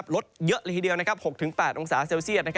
ลดเยอะเลยทีเดียว๖๘องศาเซลเซียต